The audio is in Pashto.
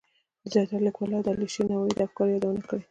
زیاترو لیکوالو د علیشیر نوایی د افکارو یادونه کړه.